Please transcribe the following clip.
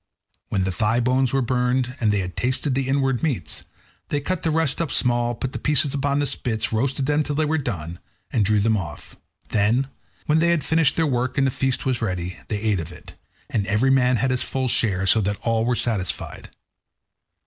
When the thigh bones were burned, and they had tasted the inward meats, they cut the rest up small, put the pieces upon spits, roasted them till they were done, and drew them off; then, when they had finished their work and the feast was ready, they ate it, and every man had his full share, so that all were satisfied.